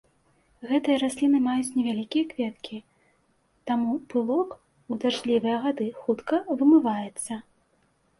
Гэтыя расліны маюць невялікія кветкі, таму пылок у дажджлівыя гады хутка вымываецца.